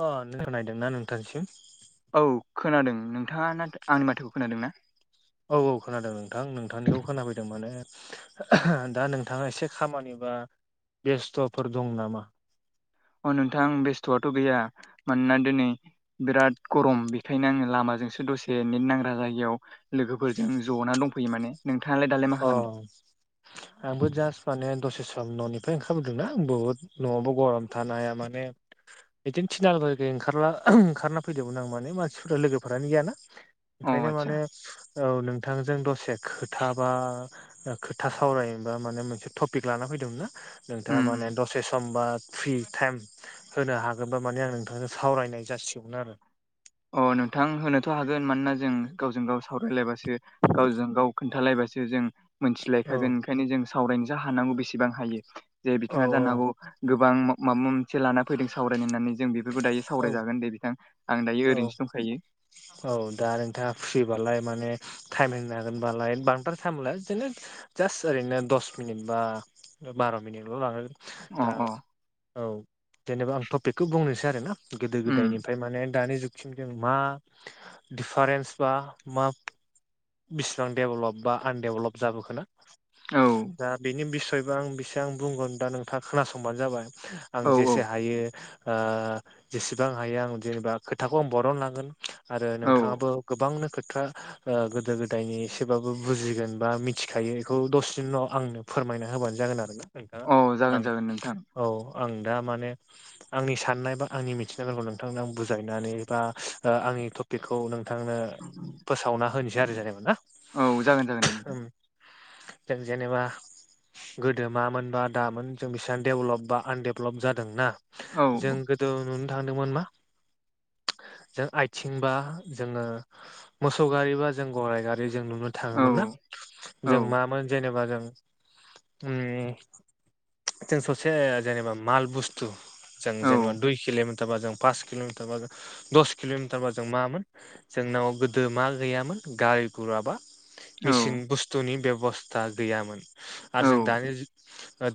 अ नों खोनादोंना नोंथांसिम? औ खोनादों नोंथाङा ना आंनि माथोखौ खोनादों ना? औ औ खोनादों नोंथां नोंथांनिखौ खोनाफैदों माने दा नोंथाङा एसे खामानिबा बेस्थ'फोर दं नामा? अ नोंथां बेस्थ'आथ' गैया मानोना दिनै बिराद गरम बेखायनो आङो लामाजोंसो दसे नेट नांग्रा जायगायाव लोगोफोरजों ज'ना दंफैयो माने नोंथाङालाय दालाय। मा अ खालामदों आंबो जास्ट माने दसे सम न'निफ्राय ओंखारबोदोंना बुहुद न'आवबो गरम थानो हाया माने बिदिनो थिन आलागै ओंखारला ओंखारना फैदोंमोन आं माने मानसिफोरा लोगोफोरानो गैयाना। अ ओंखायनो आदसा माने औ नोंथांजों दसे खोथा खोथा सावरायनो बा मोनो टपिक लाना फैदों ना उम नोंथाङा माने उम द ससे समबा फ्रि टाइम होनो हागोनबा माने आं नोंथांजों सावरायनाय जासिगौमोन आरो। अ नोंथां होनोथ' हागोन मानोना जों गावजों गाव सावरायलायबासो गावजों गाव खोन्थालायबासो जों औ मोनथिलायखागोन ओंखायनो जों सावरायनो ज हानांगौ बेसेबां हायो जे औ बिथाङा जानांगौ गो गोबां माबा मोनसे लान फैदों सावरायनोनानै जों बेफोरखौ दायो औ सावरायजागोन दे बिथां आं दायो। औ ओरैनोसो दंखायो औ दा नोंथाङा फ्रि बालाय माने टाइम होनो हागोनबालाय बांद्रार साइ मोनलाय बिदिनो जास्ट ओरैनो दस मिनिट बा बार' मिनिटल' लागोन। अ दा अ औ जेनेबा आं टपिकखौ बुंनोसै आरोना गोदो उम गोदायनिफ्राय माने दानि जुगसिम जों मा दिफारेन्स बा मा बिसिबां डेभेलप बा आनडेभेलप जाबोखोना औ दा बेनि बिसयबो आं बेसेांं बुंगोन दा नोंथाङा खोनासंबानो जाबाय। आं औ औ जेसे हायो जेसेबां हायो आं जेनेबा खोथाखौ आं बरन लांगोन। आरो औ नोंथाङाबो गोबांनो खोथा। गोदो गोदायनि एसेबाबो बुजिगोन बा मिथिखायो बेखौ दसेनि उनाव आंनो फोरमायना होबानो जागोन आरोना नोंथाङा औ जागोन आं जागोन नोंथां औ आं दा माने आंनि साननाय बा आंनि मिथिनायफोरखौ नोंथांनो आं बुजायनानै बा आंनि टपिकखौ नोंथांनो फोसावना होनोसै आरो जेनेबा ना। औ जागोन जागोन दे नोंथां जेनेबा गोदो मामोन बा दामोन जों बिसिबां दडेभलप बा आनडेभलप जादोंना? औ जों गोदो नुनो थांदोंमोन मा। जों आथिंबा जोङो मोसौ गारिबा जों गराय गारि जों नुनो औ थाङोमोन ना औ जों मामोन जेनेबा जों उम जों ससे जेनेबा माल बस्थु जों जेनेबा दुइ किल'मिटार बा जों पास किल'मिटार बा जों दस किल'मिटार बा जों मामोन जोंनाव गोदो मा गैयामोन गारि गुराबा औ मेचिन बुस्थुनि बेबस्था गैयामोन औ आरो जों दानि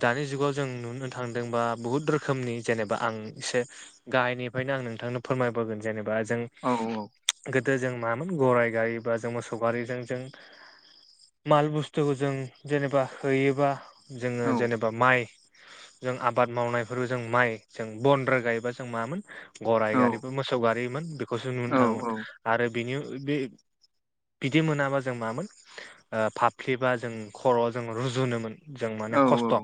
दानि जुगाव जों नुनो थांदोंबा बुहुत रोखोमनि जेनेबा आं एसे गाहायनिफ्रायनो आं नोंथांनो फोरमायबोगोन जेनेबा जों औ औ। गोदो जों मामोन गराइ गारि बा जों मोसौ गारिजों जों माल बुस्थुखौ जों जेनेबा हैयोबा जोङो औ जेनेबा माइ जों आबाद मावनायफोर जों माइ जों बन रोगायोबा जों मामोन गराइ औ गारिबो मोसौ गारिमोन बेखौसो नुनो औ थाङोमोन आरो बेनि बे बिदि मोनाबा जों मामोन फाफ्लिबा जों खर'आव जों रुजुनोमोन। जों माने खस्थ'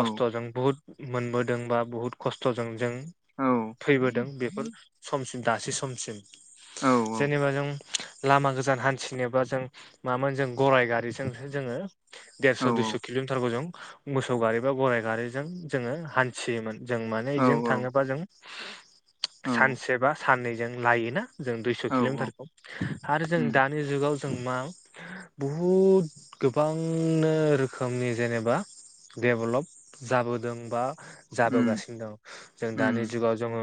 खस्थ'जों बुहुद मोनबोदोंबा बुहुद खस्थ'जों जों थैबोदों बेफोर समसिम दासि समसिम जेनेबा जों लामा गोजान हान्थिनोबा जों मामोन जों गराइ गारिजोंसो जोङो देरस' दुइस' किल'मिटारखौ जों मोसौ गारि बा गराइ गारिजों जोङो हान थियोमोन जों माने बिजोंनो औ औ थाङोबा जों सानसे बा साननैजों लायोना जों दुइस' औ किल'मिटारखौ आरो जों उम दा नि जुगाव जों मा बहुद गोबांनो रोखोमनि जेनेबा डेभेलप जाबोदों बा उम जाबोगासिनो दं जों उम दानि ओ जोङो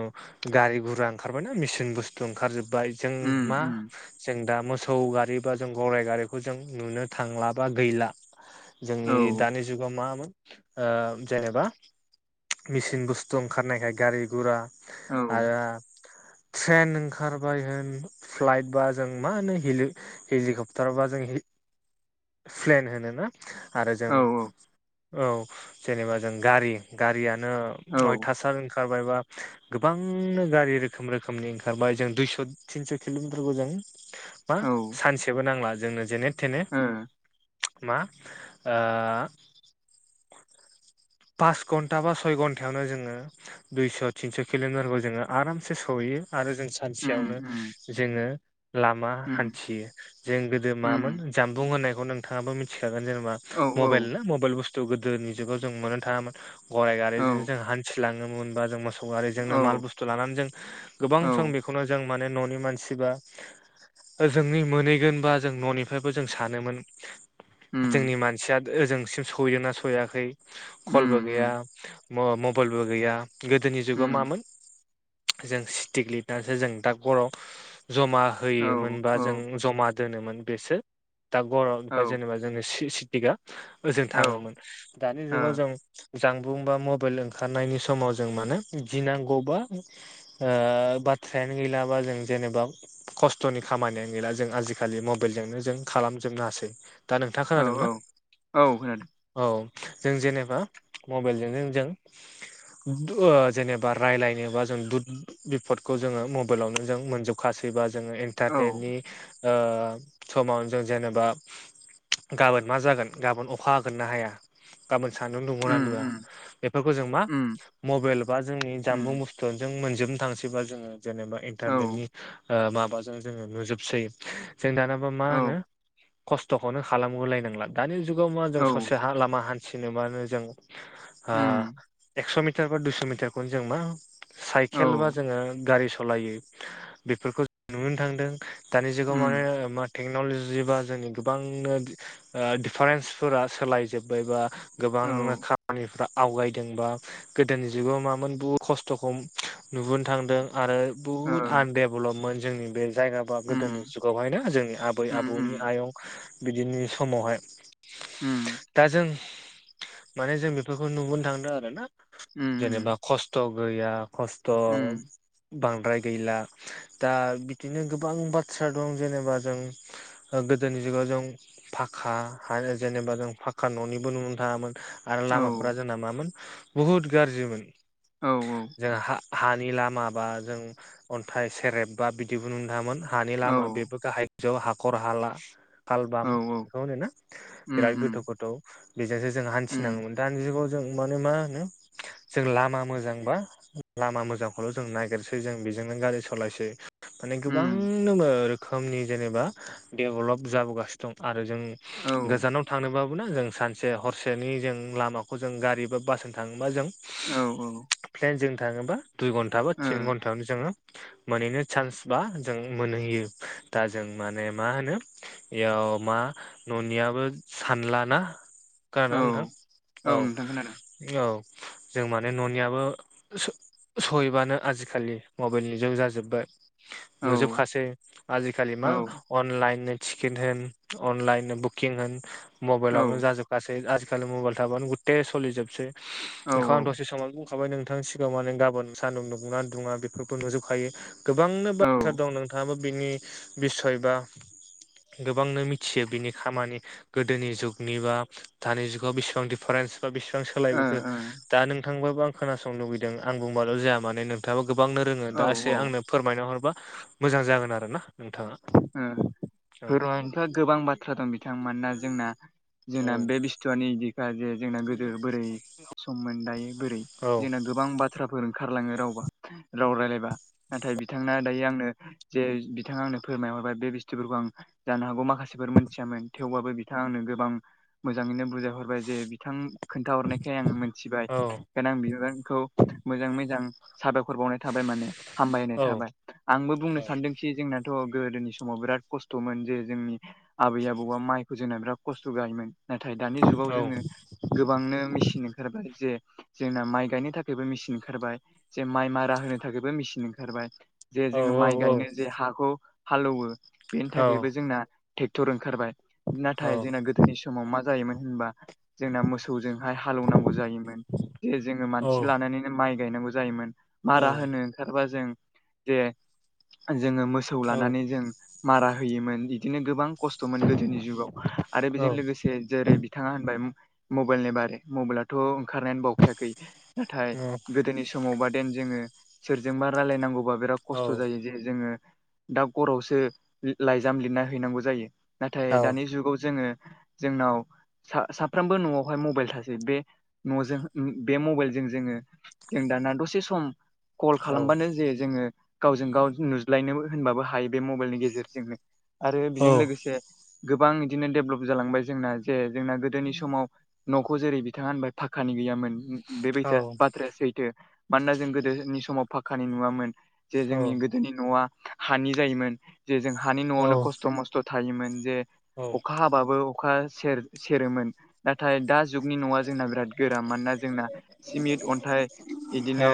गारि गुरा ओंखारबायनाा मेसिन बुस्थु ओंखारजोबबाय जों उम मा उम जों दा मोसौ गारि बा जों गराय गारिखौ जों नुनो थांला बा गैला। औ जोंनि दानि जुगाव मामोन जेनेबा मिचिन बुस्थु ओंखारनायखाय गारि गुरा औ आरो ट्रेन ओंखारबाय होन फ्लाइट बा जों मा होनो हिलि हेलिकप्टार बा जों प्लेन होनो ना आरो जों औ औ जेनेबा जों गारि गारियानो औ अयथासार ओंखारबायबा गोबांनो गारि रोखोम रोखोमनि ओंखारबाय जों दुइस थिनस किलमिटारखौ जों मा औ ओ सानसेबो नांला जोंनो जेने थेने मा ओ पास घन्टा बा सय घन्टायावनो जोङो दुइस थिनस किलमिटारखौ जोङो आरामसे सहैयो आरो जों उम सानसेयावनो उम जोङो लामा उम हान्थियो जों गोदो मामोन उम जानबुं होननायखौ नोंथाङाबो मिथिखागोन जेनेबा औ मबाइल ना मबाइल बुस्थु गोदोनि जुगाव जों मोन थाङामोन गराय औ गारिजों जों हान्थिलाङोमोना जों मोसौ गारि जजोंनो औ माल बुस्थु लानानै जों गोबां औ सम बेखौनो जों माने न'नि मानसिबा जोंनि मोनहैगोन बा जों न'निफ्रायबो जों सानोमोन उम जोंनि मानसिया ओजोंसिम सहैदोंना सहैयाखै उम कलबो गैया उम मबाइलबो गैया गोदोनि जुगाव उम मामोन जों स्टिक लिरनानैसो जों दा गर जमा औ होयोमोनबा औ जों जमा दोनोमोन बेसो दा औ गर जेनेबा जोङो स्टिकआ ओजों ओ थाङोमोन दानि औ जुगाव जों जानबुं बा मबाइल ओंखारनायनि समाव जों माने गिनांगौबा ओ बाथ्रायानो गैलाबा जों जेनेबा खस्थ'नि खामानियानो गैला जों आजिखालि मबाइलजोंनो जों खालामजोबनो हासै। दा नोंथा खोनादोंना औ औ खोनादों औ जों जेनेबा मबाइलजोंनो जों जेनेबा रायलायनोबा जों दुध बिफदखौ जोङो मबाइलावनो जों मोनजोब [unintelligible] जोङो औ इन्टारनेटनि समावनो जों जेनेबा गाबोन मा जागोन गाबोन अखा हागोन ना हाया गाबोन सान्दुं दुंगोनना उम दुङा उम बेफोरखौ जों मा उम मबाइल बा जोंनि जानबुं उम बुस्थुआनो जों मोनजोबनो थांसै बा जोङो जेनेबा औ इन्टारनेटनि माबाजों जोङो नुजोबसै जों दानाबा मा औ होनो खस्थखौनो खालामगोलायनांला दानि जुगाव मा जों औ ससे हा लामा हान्थिनोबानो जों उम एक्स मिटार बा दुइस मिटारखौनो जों मा औ साइकेल बा जोङो गारि सालायो बेफोरखौ नुनो थांदों दानि जगाव उम माने टेक्नलजि बा जोंनि गोबांनो डिफारेन्सफोरा सोलाय जोबबायबा औ गोबांनो ओ खामानिफ्रा आवगायदोंबा गोदोनि जुगाव मामोन बुहुद खस्थखौ नुबोनो थांदों आरो बुहुत आनडेभलपमोन जोंनि बे जायगा बा गोदोनि उम जुगावहायनो जोंनि आबै उम आबौनि आयं बिदिनि समावहाय उम दा जों माने जों बेफोरखौ नुबोनो थांदों आरो ना उम जेनेबा खस्थ गैया खस्ट उम बांद्राय गैला दा बिदिनो गोबां बाथ्रा दं जेनेबा जों गोदोनि जुगाव जों फाखा जेनेबा जों फाखा न'निबो नुनो थाङामोन आरो औ लामाफोरा जोंना मामोन बुहुत गाज्रिमोन औ औ जों हानि लामा बा जों अन्थाइ सेरेब बा बिदिबो नुनो थाङामोन हानि औ लामा बेबो गाहाय गोजौ हाखर हाला कालबाम औ बेखौ होनोना उम बिराद गोथौ उम गोथौ बेजोंसो जों उम हान्थिनाङोमोन दानि जुगाव जों माने मा होनो जों लामा मोजांबा लामा मोजांखौल जों नागिरसै जों बेजोंनो गारि सालायसै माने गोबां उम रोखोमनि जेनेबा डेभेलप जाबोगासिनो दं आरो जों औ गोजानाव थांनोबाबो ना जों सानसे हरसेनि जों लामाखौ जों गारि बा बासजों थाङोबा जों औ औ प्लेनजों थाङोबा दुइ घन्टा बा औ थिन घन्टायावनो जोङो मोनहैनो चान्स बा जों मोनहैयो दा जों माने मा होनो बेयाव मा न'नियाबो सानलाना खोनादों ना नोंथां औ औ नोंथां खोनादों औ जों माने न'नियाबो सहैबानो आजिखालि मबाइलनि जुग जाजोब्बाय औ नुजोबखासै आजिखालि औ मा अनलाइननो टिकेट होन अनलाइननो बुकिं होन औ मबाइलाववनो जाजोब गासै आजिखालि मबाइल थाबानो गुथे सोलिजोबसै औ एखो दसे समाव बाय नोंथांनि सिगाङाव माने गाबोन सान्दुं दुंना दुङा बेफोरखौ नुजोबखायो गोबांनो बाथ्रा दं नोंथाङाबो बिनि बिसय बा गोबांनो मिथियो बिनि खामानि गोदोनि जुगनिबा दानि जुगाव बेसेसिबां दिडिफारेन्स बा बेसेबां ओ सोलायबोखो ओ दा नोंथांबाबो आं खोनासं लुुबैदों आं बुंबाल' जाया माने नोंथाङाबा गोबांनो रोङो औ दा औ एसे आंनो फोरमायना हरबा मोजां जागोन आरो ना नोंथाङा फोरमायनोथ गोबां बाथ्रा दं बिथां मोना जोंना जोंना बे बिस्थुआनो इदिनोखा जे जोंना गोदो बोरै सम मोन दायो बोरै औ जोंना गोबां बाथ्राफोर ओंखारलाङो रावबा राव रायलायबा नाथाय बिथांना दायो आंनो जे बिथाङा आंनो फोरमायहरबाय बे बस्थुफोरखौ आं जानो हागौ माखासेफोर मोनथियामोन थेवबाबो बिथाङा आंनो गोबां मोजाङैनो बुजायहरबाय जे बिथां खोन्थाहरनायखाय आं मोनथिबाय औ बेओंखायनो आं बिबानखौ मोजाङै मोजां साबायखर बावनाय थाबाय माने हामबायनाय औ थाबाय आंबो बुंनो सानदोंसि जोंना थ' गोदोनि समाव बिराद खस्थ'मोन जे जोंनि आबै आबौआ माइखौ जोना बिराद खस्थ' गायोमोन नाथाय दानि जुगाव औ जोङो गोबांनो मेचिन ओंखारबाय जे जोंना माइ गायनो थाखायबो मेचिन ओंखारबाय जे माइ मारा होनो थाखायबो मेचिन ओंखारबाय जे औ जोङो माइ गायनो जे हाखौ हालौवो बेनि औ थाखायबो जोंना ट्रेक्टर ओंखारबाय नाथाय जोंना गोदोनि समाव मा जायोमोन होनबा जोंना मोसौजोंहाय हालौवनांगौ जायोमोन जे जोङो औ मानसि लानानैनो माइ गायनांगौ जायोमोन मारा होनो औ ओंखारबा जों जे जोङो मोसौ औ लानानै जों मारा होयोमोन बिदिनो गोबां खस्थ'मोन गोदोनि जुगाव आरो बेजों लोगोसे जेरै बिथाङा होनबाय मबाइलनि बारै मबाइला थ' ओंखारनायानो बावखायाखै नाथाय गोदोनि सम मावबा देन जोङो सोरजोंबा रायलायनांगौबा बिराद खस्थ' जायो जे जोङो दा गरावसो लाइजाम लिरना हैनांगौ जायो नाथाय दानि जुगाव जोङो जोंनाव साफ्रामबो न'आवहाय मबाइल थासै बे न'जों बे मबाइलजों जोङो जों दाना दसे सम कल खालामबानो औ जे जोङो गावजों गाव नुज्लायनो होनबाबो हायो बे मबाइलनि गेजेरजोंनो आरो बेजों लोगोसे गोबां बिदिनो डेभलप जालांबाय जोंना जे जोंना गोदोनि समाव न'खौ जेरै बिथाङा होनबाय फाखक्कानि गैयामोन बेबाय बाथ्राया सोैथो। मानोना जों गोदोनि समाव फाखक्कानि नुवामोन जे जोंनि गोदोनि न'आ हानि जायोमोन। जे जों हानि न'आवनो खस्थ' मस्थ' थायोमोन जे अखा हाबाबो अखा सेर सेरोमोन नाथाय दा जुगनि न'आ जोंना बिराद गोरा मानोना जोंना सिमिन्ट अन्थाइ बिदिनो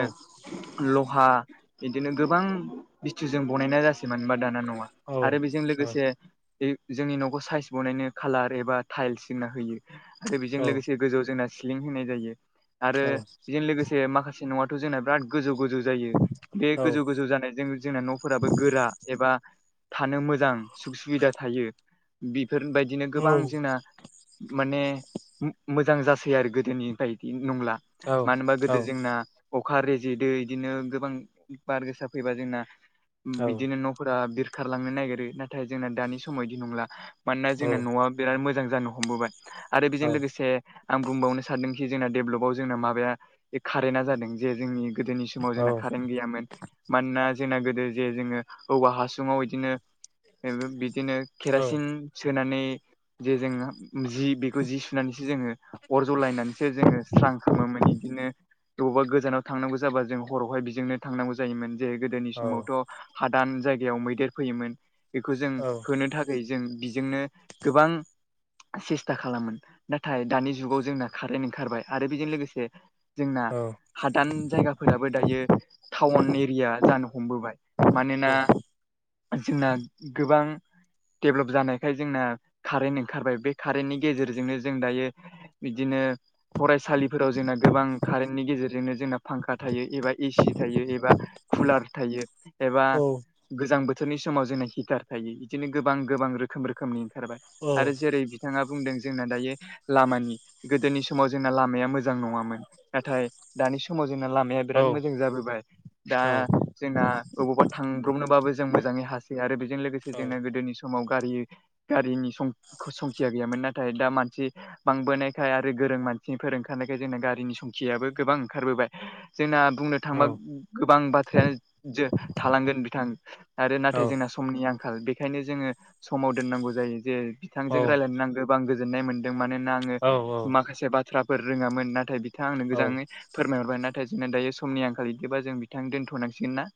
लहा बिदिनो गोबां बस्थुजों बनायनाय जासै मानबा दाना न'वा। औ आरो बेजों औ लोगोसे जोंनि न'खौ साइस बनायनो कालार एबा टाइल्स जोंना होयो। आरो बेजों औ लोगोसे गोजौआव जोंना सि्लिं होनाय जायो औ आरो बेजों लोगोसे माखासे माखासे न'थ' जोंना बिराद गोजौ गोजौ जायो बे गोजौ गोजौ जानायजों जोंना न' फोराबो गोरा एबा थानो मोजां सुख सुबिदा थायो बेफोरबाय बिदिनो गोबां जोंना माने मोजां जासै आरो गोदोनि बदि नंला। औ मानो होनबा औ गोदो जोंना अखा रेजेदो बिदिनो गोबां बार गोसा फैबा जोंना बिदिनो न'फोरा बिरखारलांनो नागिरो नाथाय जोंना दानि समाव बिदि नंला मानोना जोंना न'आ बिराद मोजां जानो हमबोबाय आरो बेजों लोगोसे आं बुंबावनो सानदोंखि जोंना डेभलपआव जोंना माबाया कारेन्टा जादों जे जोंनि गोदोनि समाव जोंना कारेन्ट गैयामोन मानोना जोंना गोदो जे जोङो औवा हासुङाव बिदिनो बिदिनो केरासिन सोनानै जे जों जि बेखौ जि सुनानैसो जोङो अरज'लायनानैसो जोङो स्रां खालामोमोन बिदिनो अबावबा गोजानाव थांनांगौ जाबा जों हरावहाय बेजोंनो थांनांगौ जायोमोन। जे गोदोनि औ समावथ' हादान जायगायाव मैदेर फैयोमोन बेखौ जों होनो थाखाय जों बिजोंनो गोबां सेस्था खालामो नाथाय दानि जुगाव जोंना कारेन्ट ओंखारबाय आरो बेजों लोगोसे जोंना हादान जायगाफोराबो दायो टाउन एरिया जानो हमबोबाय। मानोना जोंना गोबां डेभेलप जानायखाय जोंना कारेन्ट ओंखारबाय बे कारेन्टनि गेजेरजोंनो जों दायो बिदिनो फरायसालिफोराव जोंना गोबां कारेन्टनि गेजेरजोंनो जोंना फांखा थायो एबा एसि थायो एबा कुलार थायो। एबा गोजां बोथोरनि समाव जोंना हिटार थायो बिदिनो गोबां गोबां रोखोम रोखोमनि ओंखारबाय। आरो जेरै बिथाङा बुंदों जोंना दायो लामानि गोदोनि समाव जोंना लामाया मोजां नङामोन। नाथाय दानि समाव जोंना लामाया बिराद मोजां जाबोबाय दा जोंना बबावबा थांब्रबनोबाबो जों मोजाङै हासै आरो बेजों लोगोसे जोंना गोदोनि समाव गारि गारिनि संखिया गैयामोन नाथाय दा मानसि बांबोनायखाय आरो गोरों मानसिनिफोर ओंखारनायखाय जोंना गारिनि संखियाबो गोबां ओंखारबोबाय। जोंना बुंनो थांबा गोबां बाथ्रायानो ज थालांगोन बिथां आरो नाथाय जोंना समनि आंखाल बेखायनो जोङो समाव दोननांगौ जायो जे बिथांजों रायज्लायनो नांगौ गोबां गोजोननाय मोन्दों मानोना आङो माखासे बाथ्राफोर रोङामोन नाथाय बिथाङा आंनो औ औ मोजाङै फोरमायहरबाय नाथाय जोंना दायो समनि आंखाल बिदिबा जों बिथां दोनथ'नांसिगोन ना?